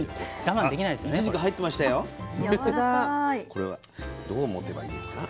これはどう持てばいいのかな。